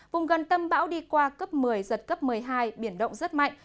vùng gần tâm bão đi qua cấp một mươi giật cấp một mươi hai biển động rất mạnh